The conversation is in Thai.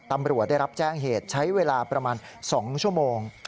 ตำรวจได้รับแจ้งเหตุใช้เวลาประมาณ๒ชั่วโมง